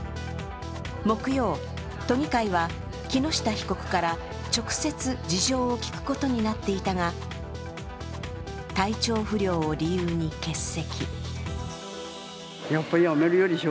木曜、都議会は、木下被告から直接事情を聞くことになっていたが体調不良を理由に欠席。